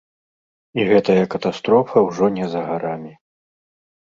І гэтая катастрофа ўжо не за гарамі.